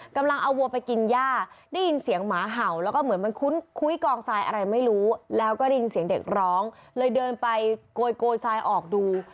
กำลังเอาวัวไปกินย่าได้ยินเสียงหมาเห่าแล้วก็เหมือนมันคุ้นคุ้ยกองทรายอะไรไม่รู้แล้วก็ได้ยินเสียงเด็กร้องเลยเดินไปโกยทรายออกดู